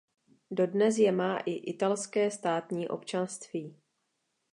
Dodnes je má i italské státní občanství.